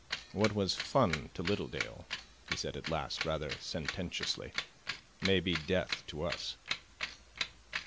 "What was fun to Littledale," he said at last, rather sententiously, "may be death to us."